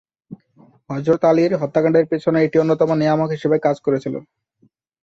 হযরত আলীর হত্যাকাণ্ডের পিছনে এটি অন্যতম নিয়ামক হিসেবে কাজ করেছিল।